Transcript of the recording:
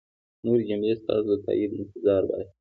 نورې جملې ستاسو د تایید انتظار باسي.